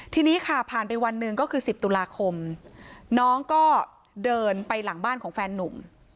ทีนี้ค่ะผ่านไปวันหนึ่งก็คือ๑๐ตุลาคมน้องก็เดินไปหลังบ้านของแฟนนุ่ม